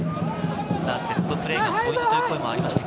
セットプレーのポイントという声もありました。